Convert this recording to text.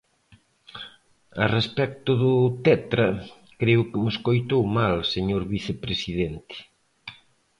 A respecto do Tetra, creo que me escoitou mal, señor vicepresidente.